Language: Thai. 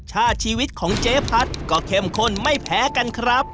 ชาติชีวิตของเจ๊พัดก็เข้มข้นไม่แพ้กันครับ